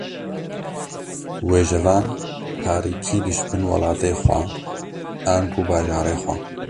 Wêjevan, parîkî dişibin welatê xwe ango bajarê xwe